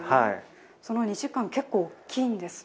その２時間、結構、大きいんですね。